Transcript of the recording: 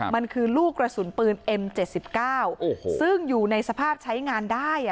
มันคือลูกกระสุนปืนเอ็มเจ็ดสิบเก้าโอ้โหซึ่งอยู่ในสภาพใช้งานได้อ่ะ